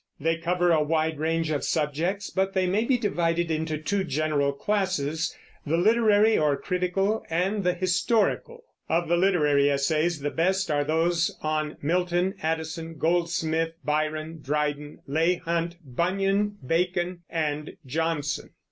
They cover a wide range of subjects, but they may be divided into two general classes, the literary or critical, and the historical. Of the literary essays the best are those on Milton, Addison, Goldsmith, Byron, Dryden, Leigh Hunt, Bunyan, Bacon, and Johnson.